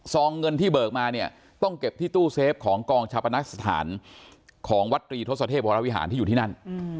เงินที่เบิกมาเนี่ยต้องเก็บที่ตู้เซฟของกองชาปนักสถานของวัดตรีทศเทพวรวิหารที่อยู่ที่นั่น